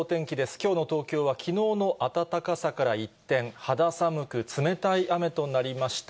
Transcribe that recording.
きょうの東京はきのうの暖かさから一転、肌寒く、冷たい雨となりました。